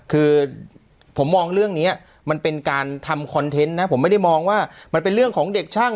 คือผมมองเรื่องนี้มันเป็นการทำคอนเทนต์นะผมไม่ได้มองว่ามันเป็นเรื่องของเด็กช่าง